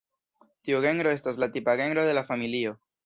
Tiu genro estas la tipa genro de la familio.